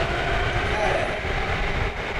تکایە.